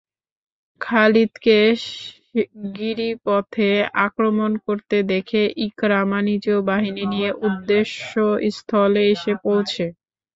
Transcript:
খালিদকে গিরিপথে আক্রমণ করতে দেখে ইকরামা নিজেও বাহিনী নিয়ে উদ্দেশ্যস্থলে এসে পৌঁছে।